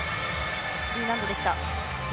Ｄ難度でした。